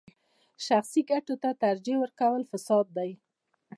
شخصي ګټو ته ترجیح ورکول فساد دی.